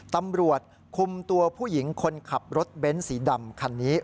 ตำรวจคุมตัวผู้หญิงคนขับรถเบ้นสีดำคันนี้